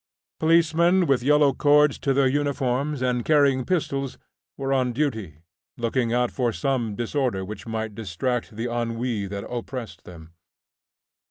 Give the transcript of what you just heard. Policemen, with yellow cords to their uniforms and carrying pistols, were on duty, looking out for some disorder which might distract the ennui that oppressed them.